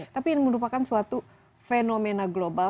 tapi ini merupakan suatu fenomena global